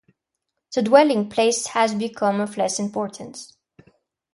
The dwelling-place has become of less importance.